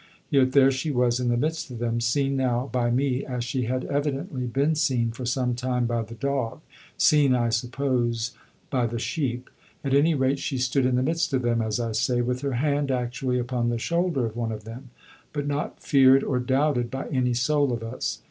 Yet there she was in the midst of them, seen now by me as she had evidently been seen for some time by the dog, seen, I suppose, by the sheep at any rate she stood in the midst of them, as I say, with her hand actually upon the shoulder of one of them but not feared or doubted by any soul of us.